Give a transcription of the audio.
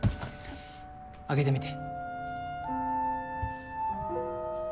開けてみて。